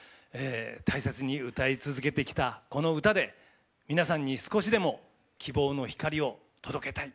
大切に歌い続けてきたこの歌で皆さんに少しでも希望の光を届けたい。